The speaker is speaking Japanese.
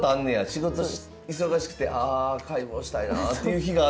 仕事忙しくてああ解剖したいなっていう日があんねや。